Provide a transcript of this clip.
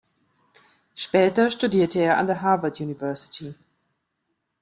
Später studierte er an der Harvard University.